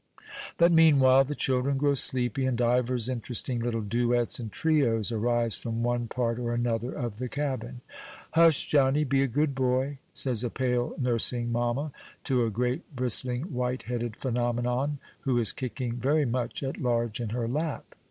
But, meanwhile, the children grow sleepy, and divers interesting little duets and trios arise from one part or another of the cabin. "Hush, Johnny! be a good boy," says a pale, nursing mamma, to a great, bristling, white headed phenomenon, who is kicking very much at large in her lap.